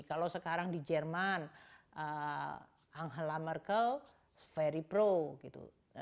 kalau sekarang di jerman angela merkel very pro gitu